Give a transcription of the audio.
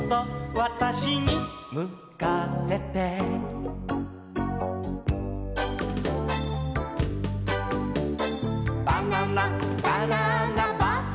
「わたしにむかせて」「バナナバナナバナナ」